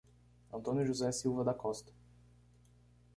Antônio José Silva da Costa